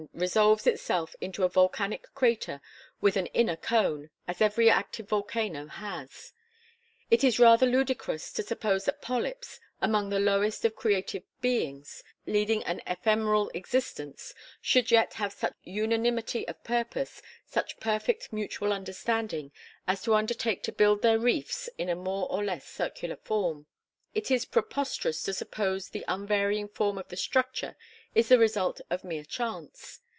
] resolves itself into a volcanic crater with an inner cone, as every active volcano has. It is rather ludicrous to suppose that polyps, among the lowest of created beings, leading an ephemeral existence, should yet have such unanimity of purpose, such perfect mutual understanding, as to undertake to build their reefs in a more or less circular form; it is preposterous to suppose the unvarying form of the structure is the result of mere chance.